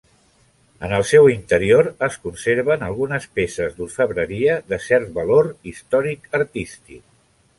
En el seu interior es conserven algunes peces d'orfebreria de cert valor històric artístic.